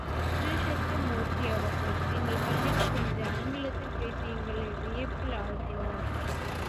திரு சத்யமூர்த்தி அவர்கள் எங்கள் பள்ளிக்கு வந்து ஆங்கிலத்தில் பேசி எங்களை வியப்பில் ஆழ்த்தினார்.